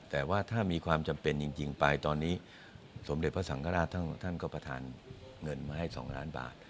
แต่ว่าถ้ามีความจำเป็นจริงไปตอนนี้สมเด็จพระสังฆราชท่านก็ประธานเงินมาให้๒ล้านบาท